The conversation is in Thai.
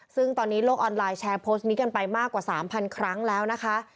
ซึ่งตอนนี้โลกออนไลน์แชร์โพสต์นี้กันไปมากกว่า๓๐๐ครั้งแล้วนะคะ